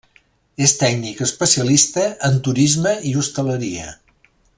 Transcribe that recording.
És tècnic especialista en Turisme i Hostaleria.